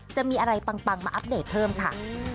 จะมีอะไรปังมาอัปเดตเพิ่มค่ะ